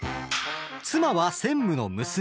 妻は専務の娘。